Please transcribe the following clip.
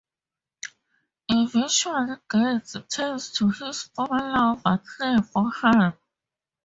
Eventually, Gates turns to his former lover Clare for help.